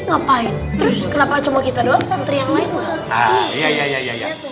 kenapa cuma kita doang